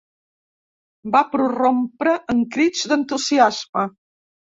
Va prorrompre en crits d'entusiasme.